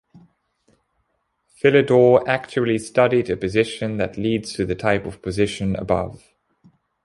Philidor actually studied a position that leads to the type of position above.